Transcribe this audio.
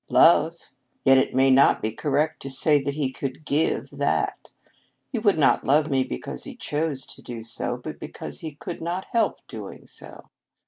"Love. Yet it may not be correct to say that he could give that. He would not love me because he chose to do so, but because he could not help doing so.